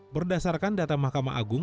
berdasarkan data mahkamah agung